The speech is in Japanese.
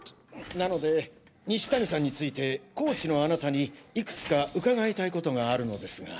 なので西谷さんについてコーチのあなたにいくつか伺いたいことがあるのですが。